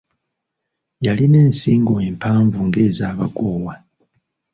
Yalina ensingo empanvu ng’ez’Abagoowa.